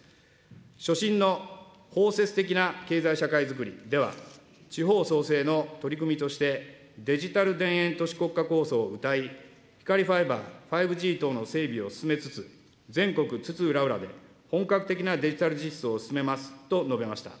所信の包摂的な経済社会づくりでは、地方創生の取り組みとしてデジタル田園都市国家構想をうたい、光ファイバー、５Ｇ等の整備を進めつつ、全国津々浦々に本格的なデジタル実装を進めますと述べました。